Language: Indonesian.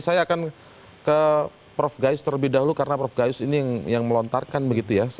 saya akan ke prof gayus terlebih dahulu karena prof gayus ini yang melontarkan begitu ya